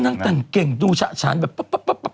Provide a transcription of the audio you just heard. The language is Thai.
นางแต่งเก่งดูชาชานแบบป๊บ